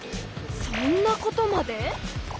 そんなことまで！